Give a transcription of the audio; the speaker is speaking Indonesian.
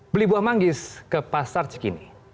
beli buah manggis ke pasar cikini